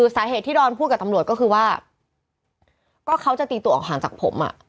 สาเหตุที่ดอนพูดกับตำรวจก็คือว่าก็เขาจะตีตัวออกห่างจากผม